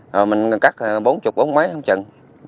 rồi mình cắt bốn chục bốn mấy không chừng